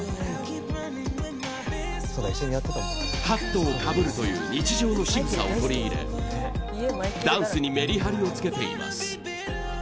ハットをかぶるという日常のしぐさを取り入れダンスにメリハリをつけています。